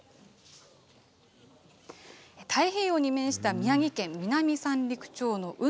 太平洋に面した宮城県南三陸町の海。